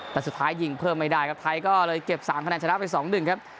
แต่สุดท้ายยิงเพิ่มไม่ได้ครับไทยก็เลยเก็บ๓คะแนนชนะไป๒๑ครับ